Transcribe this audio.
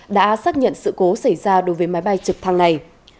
đã xác nhận sự cố xảy ra đối với máy bay trực thăng này